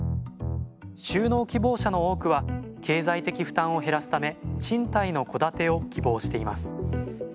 就農希望者の多くは経済的負担を減らすため賃貸の戸建てを希望しています。